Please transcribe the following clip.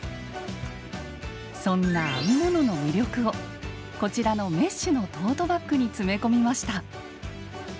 そんな編み物の魅力をこちらのメッシュのトートバッグに詰め込みました。